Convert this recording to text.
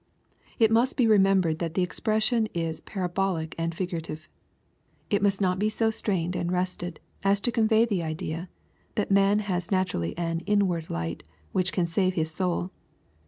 It must be remembered that the expression is parabolic and figu rative. It must not be so strained and wrested as to convey the idea that man has naturally an " inward light" which can save his soul.